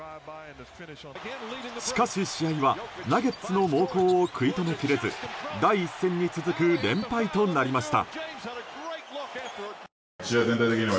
しかし試合はナゲッツの猛攻を食い止めきれず第１戦に続く連敗となりました。